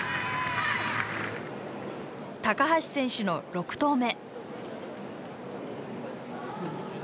高橋選手の６投目。